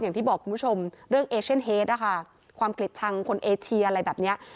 อย่างที่บอกคุณผู้ชมเรื่องเอเชียนเฮดนะคะความเกลียดชังคนเอเชียอะไรแบบเนี้ย